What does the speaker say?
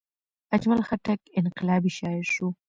اجمل خټک انقلابي شاعر شو.